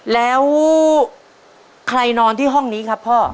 แล้วใครนอนที่ห้องนี้ครับพ่อ